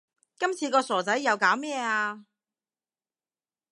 今次個傻仔又搞咩呀